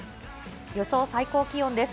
予想最高気温です。